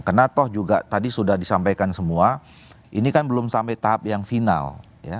karena toh juga tadi sudah disampaikan semua ini kan belum sampai tahap yang final ya